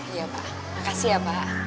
iya pak makasih ya pak